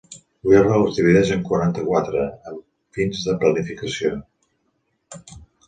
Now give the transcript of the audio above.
Wirral es divideix en quaranta-quatre, amb fins de planificació.